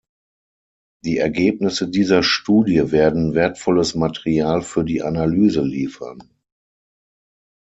Die Ergebnisse dieser Studie werden wertvolles Material für die Analyse liefern.